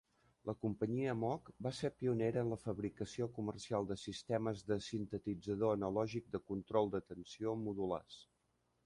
La companyia Moog va ser pionera en la fabricació comercial de sistemes de sintetitzador analògic de control de tensió modulars.